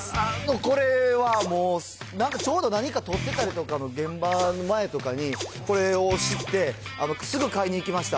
これはもう、なんか、ちょうどなにか撮ってたりとかの現場の前とかに、これを知って、すぐ買いに行きました。